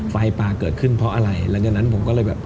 ไฟป่าเกิดขึ้นเพราะอะไร